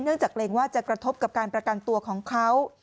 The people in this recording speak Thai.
จากเกรงว่าจะกระทบกับการประกันตัวของเขา